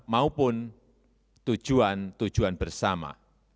maupun tujuan tujuan bersama